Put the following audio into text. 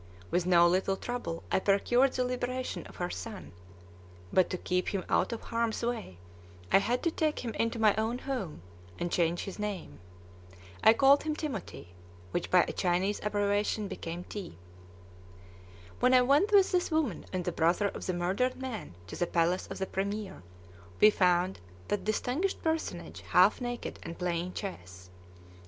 With no little trouble I procured the liberation of her son; but to keep him out of harm's way I had to take him into my own home and change his name. I called him Timothy, which by a Chinese abbreviation became Ti. When I went with this woman and the brother of the murdered man to the palace of the premier, we found that distinguished personage half naked and playing chess.